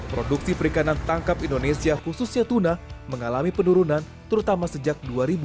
produksi perikanan tangkap indonesia khususnya tuna mengalami penurunan terutama sejak dua ribu dua